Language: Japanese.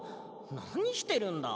なにしてるんだ？